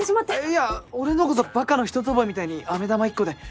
いや俺の方こそバカの一つ覚えみたいに飴玉１個で。